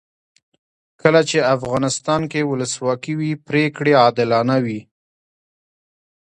کله چې افغانستان کې ولسواکي وي پرېکړې عادلانه وي.